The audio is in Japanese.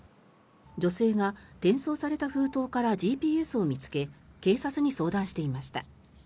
女性が転送された封筒からＧＰＳを見つけ警察に相談していました。